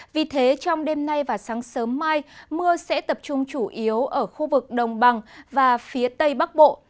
vì thế trong đêm nay và sáng sớm mai mưa sẽ tập trung chủ yếu ở khu vực đồng bằng và phía tây bắc bộ